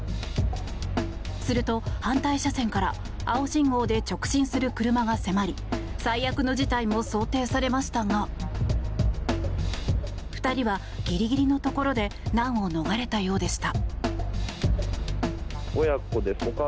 すると反対車線から青信号で直進する車が迫り最悪の事態も想定されましたが２人はギリギリのところで難を逃れたようでした。